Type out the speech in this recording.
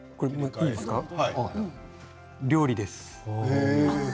料理です。